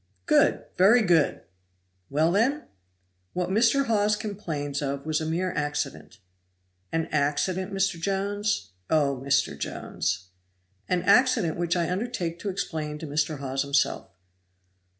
"Good! very good! Well, then?" "What Mr. Hawes complains of was a mere accident." "An accident, Mr. Jones? Oh, Mr. Jones!" "An accident which I undertake to explain to Mr. Hawes himself."